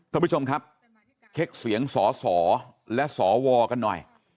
ท่านผู้ชมครับเช็คเสียงสสและสวกันหน่อย